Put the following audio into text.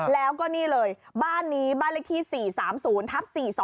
แล้วก็นี่เลยบ้านนี้บ้านเลขที่๔๓๐ทับ๔๒